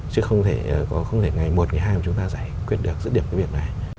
chứ không thể ngày một ngày hai mà chúng ta giải quyết được dữ điểm cái việc này